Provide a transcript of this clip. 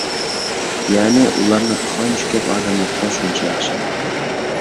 يەنى، ئۇلارنى قانچە كۆپ ئادەم ئوقۇسا شۇنچە ياخشى.